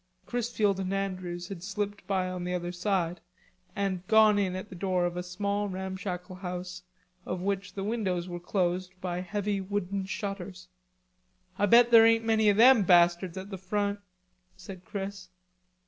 Chrisfield and Andrews had slipped by on the other side, and gone in at the door of a small ramshackle house of which the windows were closed by heavy wooden shutters. "I bet there ain't many of them bastards at the front," said Chris.